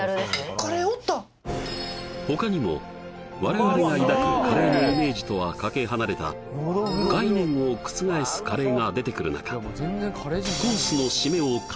他にも我々が抱くカレーのイメージとはかけ離れた概念を覆すカレーが出てくる中